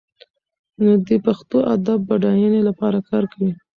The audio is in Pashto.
دی د پښتو ادب د بډاینې لپاره کار کوي.